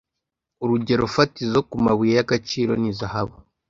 Urugerofatizo ku mabuye y’ agaciro ni zahabu.